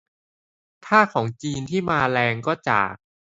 ถ้าของจีนที่มาแรงก็ จาก